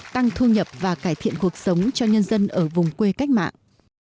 tăng thu nhập và cải thiện cuộc sống cho nhân dân ở vùng quê cách mạng